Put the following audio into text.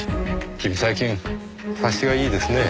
君最近察しがいいですねぇ。